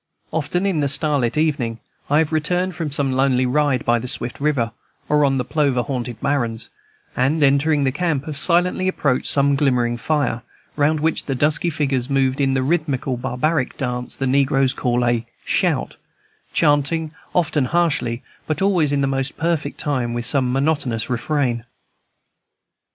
Often in the starlit evening, I have returned from some lonely ride by the swift river, or on the plover haunted barrens, and, entering the camp, have silently approached some glimmering fire, round which the dusky figures moved in the rhythmical barbaric dance the negroes call a "shout," chanting, often harshly, but always in the most perfect time, some monotonous refrain.